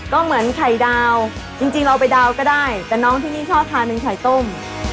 ก็เหมือนไข่ดาวจริงเราไปดาวก็ได้แต่น้องที่นี่ชอบทานเป็นไข่ต้ม